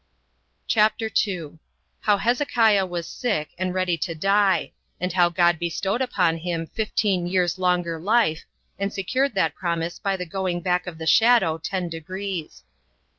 CHAPTER 2. How Hezekiah Was Sick, And Ready To Die; And How God Bestowed Upon Him Fifteen Years Longer Life, [And Secured That Promise] By The Going Back Of The Shadow Ten Degrees.